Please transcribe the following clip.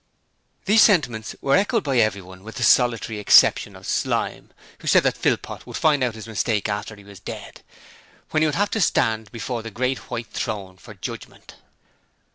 These sentiments were echoed by everyone with the solitary exception of Slyme, who said that Philpot would find out his mistake after he was dead, when he would have to stand before the Great White Throne for judgement!